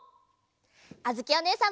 あづきおねえさんも！